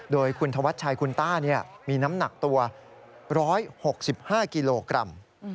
โดยคุณธวัชชัยคุณต้ามีน้ำหนักตัว๑๖๕กิโลกรัม